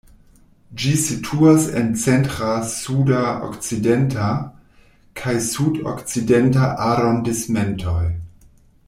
Ĝi situas en Centra, Suda, Okcidenta kaj Sud-Okcidenta arondismentoj.